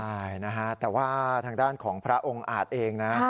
ใช่นะฮะแต่ว่าทางด้านของพระองค์อาจเองนะ